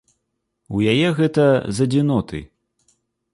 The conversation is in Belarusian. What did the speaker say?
У яе гэта з адзіноты.